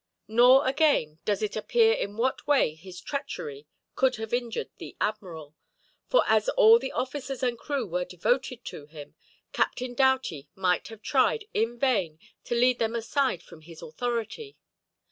Nor, again, does it appear in what way his treachery could have injured the admiral, for as all the officers and crew were devoted to him, Captain Doughty might have tried, in vain, to lead them aside from his authority.